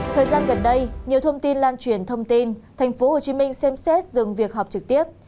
thời gian gần đây nhiều thông tin lan truyền thông tin thành phố hồ chí minh xem xét dừng việc học trực tiếp